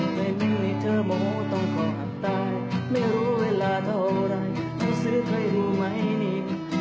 ในมิลลิเทอร์โหมต้องขอหักตายไม่รู้เวลาเท่าไหร่ต้องซื้อใครรู้ไหมนี่